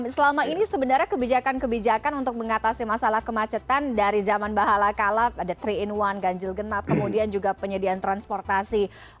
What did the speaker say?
selama ini sebenarnya kebijakan kebijakan untuk mengatasi masalah kemacetan dari zaman bahala kalat ada tiga in satu ganjil genap kemudian juga penyediaan transportasi